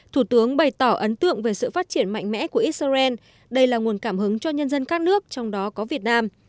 thủ tướng bày tỏ ấn tượng về sự phát triển mạnh mẽ của israel đây là nguồn cảm hứng cho nhân dân các nước trong đó có việt nam